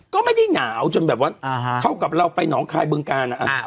ก็ไม่ได้หนาวจนแบบว่าเท่ากับเราไปหนองคายบึงกาล